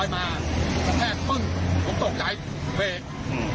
มาแทฟปึ้งนุ่มตกไหลเบรก